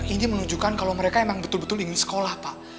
ini menunjukkan kalau mereka memang betul betul ingin sekolah pak